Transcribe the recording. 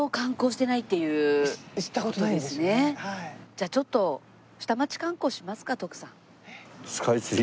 じゃあちょっと下町観光しますか徳さん。